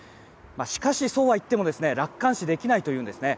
しかし、そうはいっても楽観視できないんですね。